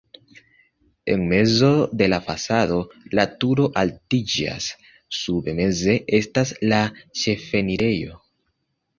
En mezo de la fasado la turo altiĝas, sube meze estas la ĉefenirejo.